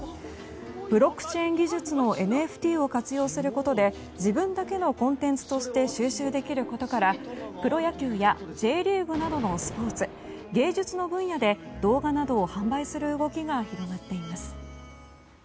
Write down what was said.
ブロックチェーン技術のＮＦＴを活用することで自分だけのコンテンツとして収集できることからプロ野球やＪリーグなどのスポーツ芸術の分野で動画などを販売する動きが広がっています。